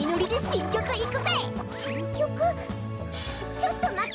ちょっとまって！